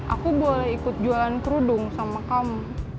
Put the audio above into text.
aku boleh ikut jualan kerudung sama kamu